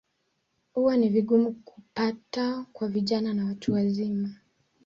Huwa ni vigumu kupata kwa vijana na watu wazima.